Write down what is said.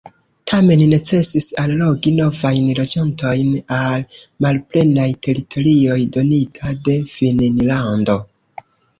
Tamen necesis allogi novajn loĝantojn al malplenaj teritorioj donita de Finnlando.